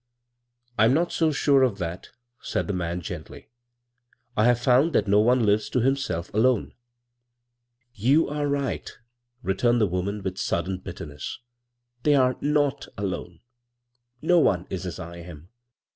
"I'm not so sure of that," said the man gently. " I have found that no one lives to himself alone." " You are right," returned the woman with sudden bitterness. "They are «o; alone. No one is as I am.